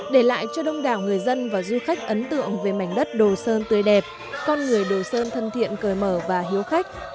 để lại cho đông đảo người dân và du khách ấn tượng về mảnh đất đồ sơn tươi đẹp con người đồ sơn thân thiện cười mở và hiếu khách